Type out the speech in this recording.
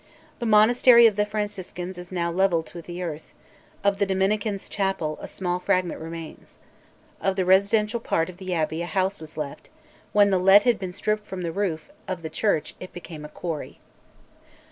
The monastery of the Franciscans is now levelled with the earth; of the Dominicans' chapel a small fragment remains. Of the residential part of the abbey a house was left: when the lead had been stripped from the roof of the church it became a quarry.